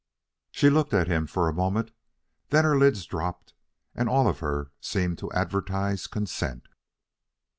She looked at him for a moment, then her lids dropped, and all of her seemed to advertise consent.